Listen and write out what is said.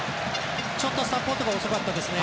ちょっとサポートが遅かったですね。